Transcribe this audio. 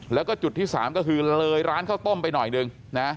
แล้วก็จุดที่๓ก็คือเลยร้านข้าวต้มไปหน่อยหนึ่งนะ